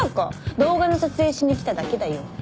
動画の撮影しに来ただけだよ。